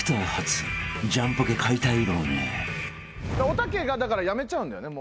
おたけがだからやめちゃうんだよね？